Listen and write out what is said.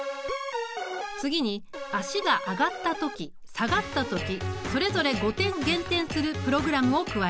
次に足が上がった時下がった時それぞれ５点減点するプログラムを加えた。